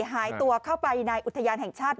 หายตัวเข้าไปในอุทยานแห่งชาติ